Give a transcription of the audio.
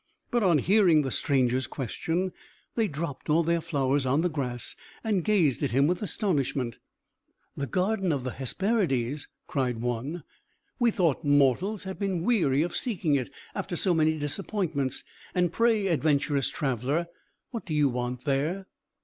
But, on hearing the stranger's question, they dropped all their flowers on the grass, and gazed at him with astonishment. "The garden of the Hesperides!" cried one. "We thought mortals had been weary of seeking it, after so many disappointments. And pray, adventurous traveller, what do you want there?"